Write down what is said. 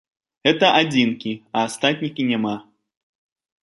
Гэта адзінкі, а астатніх і няма.